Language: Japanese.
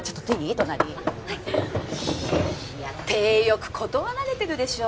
隣いやいや体よく断られてるでしょ